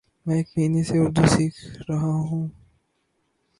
میں ایک مہینہ سے اردو سیکھرہاہوں